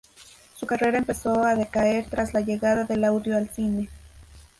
Su carrera empezó a decaer tras la llegada del audio al cine.